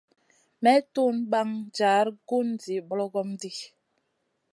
May tun ɓaŋ jar gun zi ɓlogom ɗi.